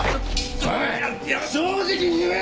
おい正直に言え！